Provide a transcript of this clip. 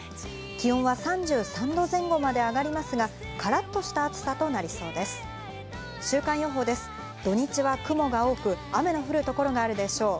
気温は３３度前後まで上がりますが、カラッとした暑さとなりそう